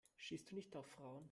Stehst du nicht auf Frauen?